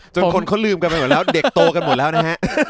จนคนเขาลืมกันไปหมดแล้วเด็กโตกันหมดแล้วนะฮะ